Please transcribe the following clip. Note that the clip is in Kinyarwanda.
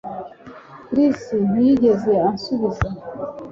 Chris ntiyigeze ansubiza